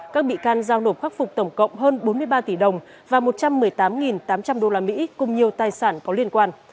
các bị can giao nộp khắc phục tổng cộng hơn bốn mươi ba tỷ đồng và một trăm một mươi tám tám trăm linh usd cùng nhiều tài sản có liên quan